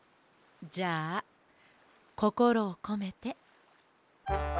じゃあこころをこめて。